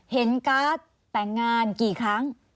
เห็นการแต่งงานกี่ครั้ง